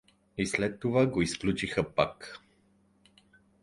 — И след това го изключиха пак?